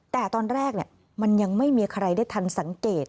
แต่ตอนแรกมันยังไม่มีใครได้ทันสังเกต